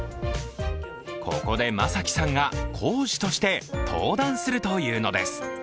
ここで眞輝さんが講師として登壇するというのです。